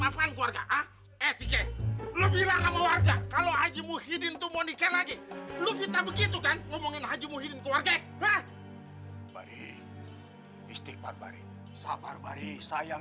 pokoknya begitu mba bego dateng